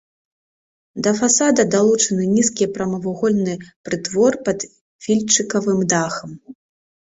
Да фасада далучаны нізкі прамавугольны прытвор пад вільчыкавым дахам.